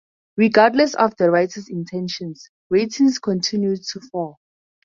Regardless of the writers' intentions, ratings continued to fall.